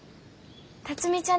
辰美ちゃん